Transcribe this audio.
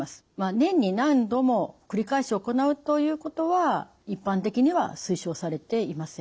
年に何度も繰り返し行うということは一般的には推奨されていません。